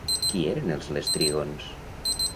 Qui eren els lestrígons?